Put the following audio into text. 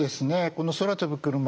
この空飛ぶクルマ